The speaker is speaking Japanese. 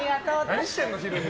何してんの、昼に。